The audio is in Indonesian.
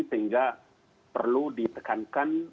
sehingga perlu ditekankan